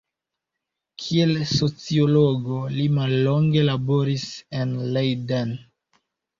Kiel sociologo li mallonge laboris en Leiden.